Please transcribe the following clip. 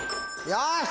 よし！